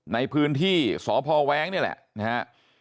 ในพื้นที่สพแว้งนี่แหละนะฮะ